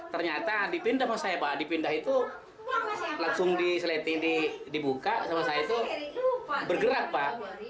ternyata dipindah sama saya pak dipindah itu langsung diseleti dibuka sama saya itu bergerak pak